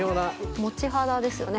もち肌ですよね